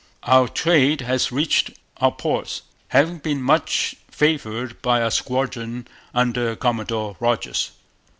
'Our Trade has reached our ports, having been much favoured by a squadron under Commodore Rodgers.'